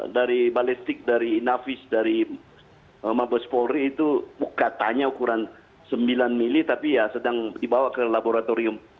dari balistik dari inavis dari mabes polri itu katanya ukuran sembilan mili tapi ya sedang dibawa ke laboratorium